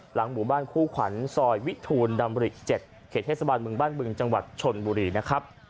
หลังหมู่บ้านคู่ขวัญซอยวิทูลดำริ๗เขตเทศบาลเมืองบ้านบึงจังหวัดชนบุรีนะครับ